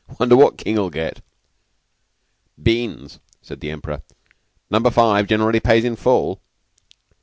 'Wonder what King will get." "Beans," said the Emperor. "Number Five generally pays in full."